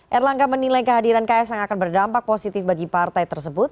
erlangga menilai kehadiran ks ang akan berdampak positif bagi partai tersebut